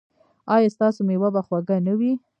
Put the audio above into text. ایا ستاسو میوه به خوږه نه وي؟